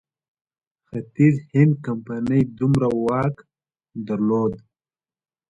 ختیځ هند کمپنۍ دومره واک درلود.